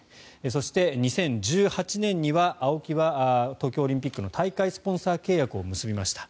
そして、２０１８年にはＡＯＫＩは東京オリンピックの大会スポンサー契約を結びました。